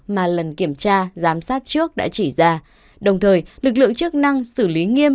mà lần kiểm tra giám sát trước đã chỉ ra đồng thời lực lượng chức năng xử lý nghiêm